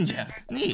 ねえ？